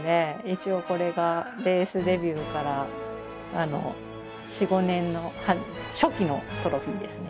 一応これがレースデビューから４５年の初期のトロフィーですね。